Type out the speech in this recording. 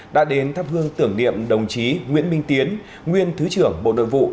đã đến thắp hương tưởng niệm đồng chí nguyễn minh tiến nguyên thứ trưởng bộ nội vụ